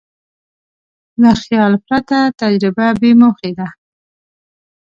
له خیال پرته تجربه بېموخې ده.